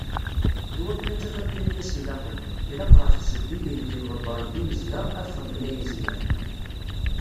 I wakken ad taf amkan i as-ilaqen, ilaq ɣef tsedduyin d yimḍebbren d yimezdaɣ, ad xedmen ayen zemmren.